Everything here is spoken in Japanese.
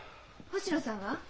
星野さんは？